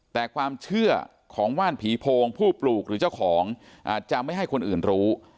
แต่ความเชื่อของว่านผีโพงผู้ปลูกหรือเจ้าของอาจจะไม่ให้คนอื่นรู้